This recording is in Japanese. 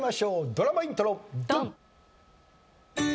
ドラマイントロドン！